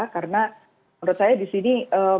karena menurut saya di sini